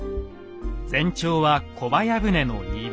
全長は小早船の２倍。